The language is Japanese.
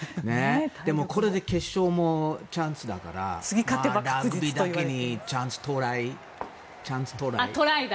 でもこれで決勝もチャンスだからトライだけにラグビーだけにチャンス到来、トライ。